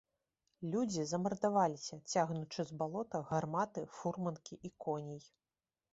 Людзі замардаваліся, цягнучы з балота гарматы, фурманкі і коней.